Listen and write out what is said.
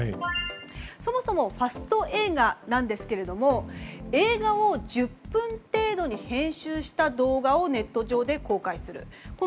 そもそもファスト映画なんですが映画を１０分程度に編集した動画をネット上で公開する。